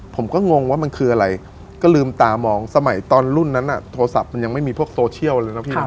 ผมก็งงว่ามันคืออะไรก็ลืมตามองสมัยตอนรุ่นนั้นโทรศัพท์มันยังไม่มีพวกโซเชียลเลยนะพี่นะ